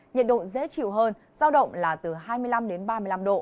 nhiệt độ dễ chịu hơn giao động là từ hai mươi năm đến ba mươi năm độ